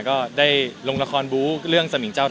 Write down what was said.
ก็ดีใจครับที่ทั้งช่องและทั้งผู้ใหญ่